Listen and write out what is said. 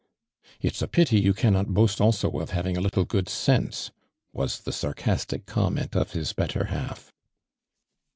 "It's a pity you cannot boast also of having a little good sense?" wivs the snr castic comment of bis better half.